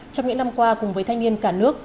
trong những năm qua cùng với thanh niên cả nước